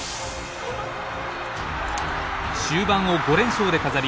終盤を５連勝で飾り